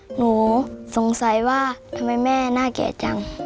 หนูสงสัยว่าทำไมแม่น่าแก่จัง